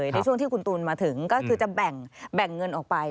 ในช่วงที่คุณตูนมาถึงก็คือจะแบ่งเงินออกไป